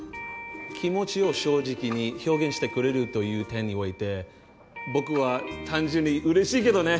気持ちを正直に表現してくれるという点において僕は単純に嬉しいけどね。